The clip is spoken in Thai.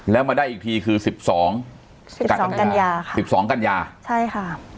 แล้วมาได้อีกทีคือสิบสองสิบสองกัญญาค่ะสิบสองกัญญาใช่ค่ะ